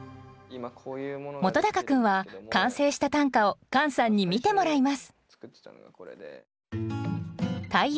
本君は完成した短歌をカンさんに見てもらいます